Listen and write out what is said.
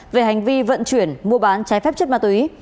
về hành vi vận chuyển mua bán trái phép chất ma túy